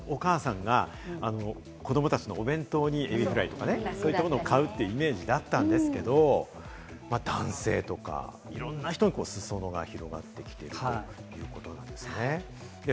これまではお母さんが子供たちのお弁当にエビフライとかね、そういったものを買うイメージだったんですけど、男性とか、いろんな人に裾野が広がってきているということなんですね。